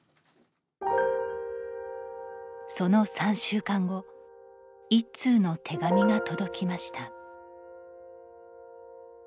その３週間後一通の手紙が届きました。